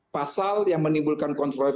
pasal yang menimbulkan kontrol